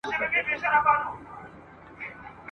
چي تر منځ به مو طلاوي وای وېشلي !.